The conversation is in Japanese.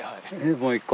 もう１個。